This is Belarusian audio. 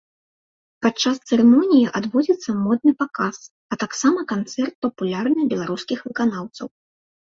Падчас цырымоніі адбудзецца модны паказ, а таксама канцэрт папулярных беларускіх выканаўцаў.